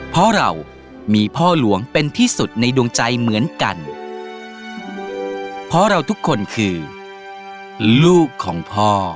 เพราะเรามีพ่อหลวงเป็นที่สุดในดวงใจเหมือนกันเพราะเราทุกคนคือลูกของพ่อ